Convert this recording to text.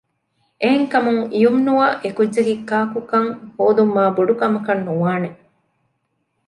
އެހެންކަމުން ޔުމްނުއަށް އެކުއްޖަކީ ކާކުކަން ހޯދުން މާ ބޮޑުކަމަކަށް ނުވާނެ